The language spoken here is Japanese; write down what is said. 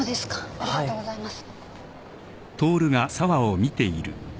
ありがとうございます。